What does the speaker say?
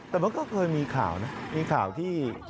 แต่มันก็เคยมีข่าวนะมีข่าวที่